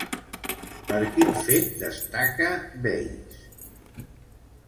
Per quin fet destaca Veïs?